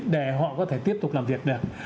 để họ có thể tiếp tục làm việc được